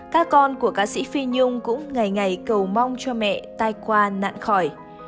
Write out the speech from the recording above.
các con của ca sĩ phi nhung cũng ngày ngày cầu mong cho mẹ tai qua nạn khỏi